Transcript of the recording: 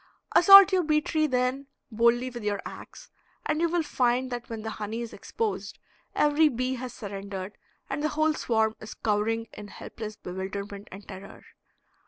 Assault your bee tree, then, boldly with your ax, and you will find that when the honey is exposed every bee has surrendered and the whole swarm is cowering in helpless bewilderment and terror.